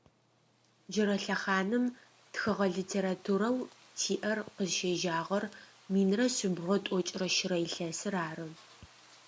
Джырэ лъэхъаным тхыгъэ литературэу тиӏэр къызщежьагъэр минрэ шъибгъурэ тӏокӏрэ щырэ илъэсыр ары.